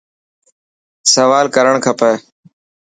سوال ڪرڻ کٽي.